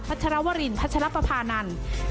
พัชลวรินทร์พัชลภพานันทร์